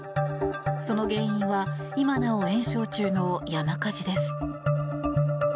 その原因は今なお延焼中の山火事です。